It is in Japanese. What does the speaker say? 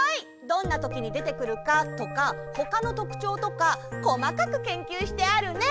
どんなときにでてくるかとかほかのとくちょうとかこまかく研究してあるね！